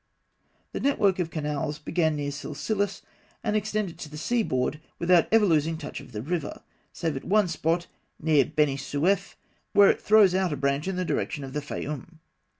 The network of canals began near Silsilis and extended to the sea board, without ever losing touch of the river, save at one spot near Beni Sûef, where it throws out a branch in the direction of the Fayûm.